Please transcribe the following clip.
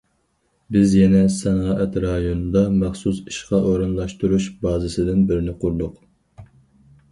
بىز يەنە سانائەت رايونىدا مەخسۇس ئىشقا ئورۇنلاشتۇرۇش بازىسىدىن بىرنى قۇردۇق.